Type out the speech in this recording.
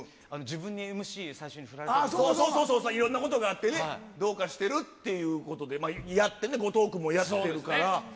自分にＭＣ、最初に振られたときそうそう、いろんなことがあってね、どうかしてるっていうことで、やってね、後藤君もやってるから。